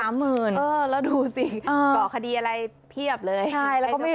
แล้วดูสิก่อคดีอะไรเพียบเลย